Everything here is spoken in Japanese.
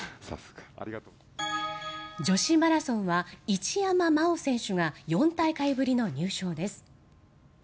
女子マラソンは一山麻緒選手が４大会ぶりの入賞です。